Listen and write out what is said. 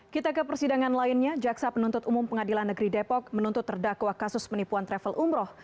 kita ke persidangan lainnya jaksa penuntut umum pengadilan negeri depok menuntut terdakwa kasus penipuan travel umroh